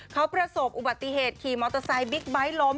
เขาประสบอุบัติเหตุขี่มอเตอร์ไซค์บิ๊กไบท์ล้ม